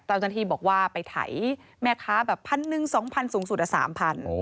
ตั้งแต่ที่บอกว่าไปไถแม่ค้าแบบ๑๐๐๐๒๐๐๐สูงสุดอ่ะ๓๐๐๐